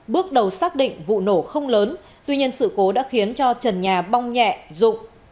bước đầu xác định vụ nổ không lớn tuy nhiên sự cố đã khiến cho trần nhà bong nhẹ rụng